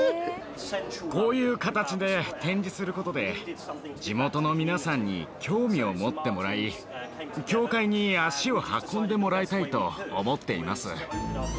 こういう形で展示する事で地元の皆さんに興味を持ってもらい教会に足を運んでもらいたいと思っています。